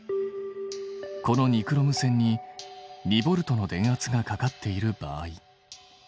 このニクロム線に２Ｖの電圧がかかっている場合。